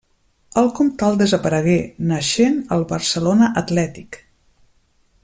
El Comtal desaparegué, naixent el Barcelona Atlètic.